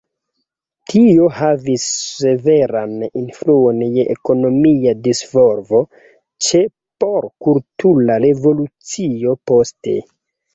Tio havis severan influon je ekonomia disvolvo, ĉe por Kultura Revolucio poste.